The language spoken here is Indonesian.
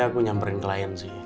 aku nyamperin klien sih